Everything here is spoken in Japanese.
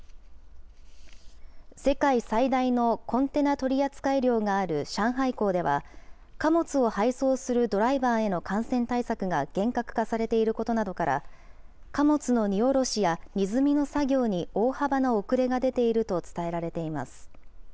世界最大のコンテナ取扱量がある上海港では、貨物を配送するドライバーへの感染対策が厳格化されていることなどから、貨物の荷降ろしや荷積みの作業に大幅な遅れが出ていると伝えられています。